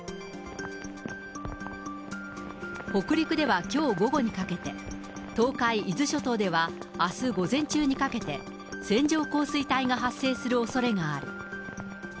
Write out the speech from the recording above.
北陸ではきょう午後にかけて、東海、伊豆諸島ではあす午前中にかけて、線状降水帯が発生するおそれがある。